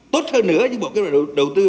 tốt hơn nữa với bộ kế hoạch đầu tư